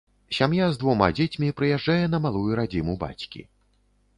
Сям'я з двума дзецьмі прыязджае на малую радзіму бацькі.